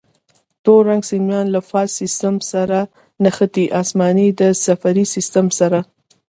تور رنګ سیمان له فاز سیم سره نښتي، اسماني د صفري سیم سره.